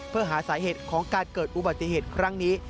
เพื่อหาสาเหตุของการเกิดอุบัติเหตุครั้งนี้